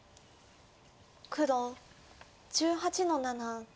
黒１８の七ツギ。